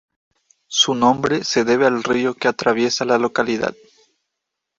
Su nombre se debe al río que atraviesa la localidad.